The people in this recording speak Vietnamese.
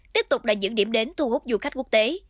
tiếp tục là những điểm đến thu hút du khách quốc tế